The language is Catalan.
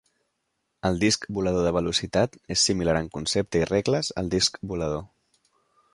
El disc volador de velocitat és similar en concepte i regles al disc volador.